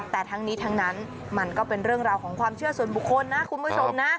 แต่ทั้งนี้ทั้งนั้นมันก็เป็นเรื่องราวของความเชื่อส่วนบุคคลนะคุณผู้ชมนะ